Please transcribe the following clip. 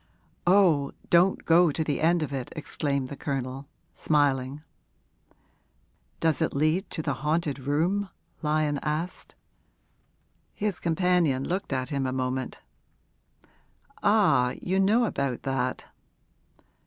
'Oh, don't go to the end of it!' exclaimed the Colonel, smiling. 'Does it lead to the haunted room?' Lyon asked. His companion looked at him a moment. 'Ah, you know about that?'